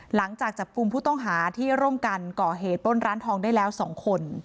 หลังจากจับกลุ่มผู้ต้องหาที่ร่วมกันก่อเหตุปล้นร้านทองได้แล้ว๒คน